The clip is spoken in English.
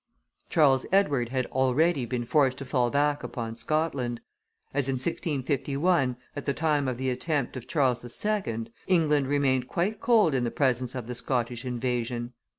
Charles Edward had already been forced to fall back upon Scotland. As in 1651, at the time of the attempt of Charles II., England remained quite cold in the presence of the Scottish invasion.